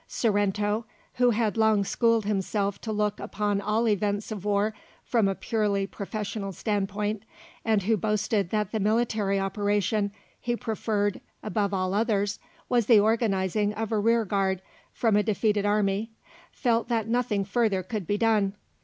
Sorrento, who had long schooled himself to look upon all events of war from a purely professional standpoint, and who boasted that the military operation he preferred above all others was the organising of a rearguard from a defeated army, felt that nothing further could be done.